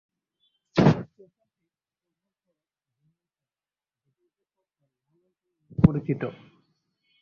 স্টেশনটির প্রধান সড়ক জিন্নাহ সড়ক; যেটি উপত্যকার লাল অঞ্চল নামেও পরিচিত।